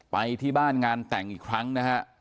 ไปที่บ้านงานแต่งอีกครั้งนะฮะ